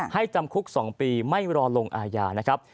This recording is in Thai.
จำคุก๒ปีไม่รอลงอาญานะครับ